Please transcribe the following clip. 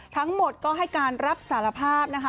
ทั้งหมดก็ให้การรับสารภาพนะคะ